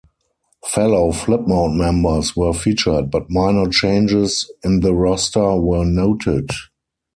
Fellow Flipmode members were featured, but minor changes in the roster were noted.